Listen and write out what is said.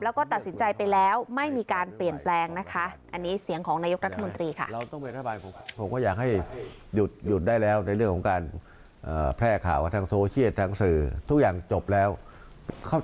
แล้วก็ตัดสินใจไปแล้วไม่มีการเปลี่ยนแปลงนะคะ